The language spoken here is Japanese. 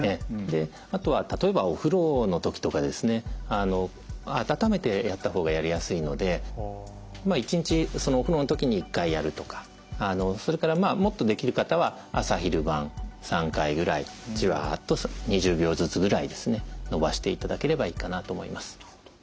あとは例えばお風呂の時とか温めてやった方がやりやすいので１日そのお風呂の時に１回やるとかそれからもっとできる方は朝・昼・晩３回ぐらいジワッと２０秒ずつぐらい伸ばしていただければいいかなと思います。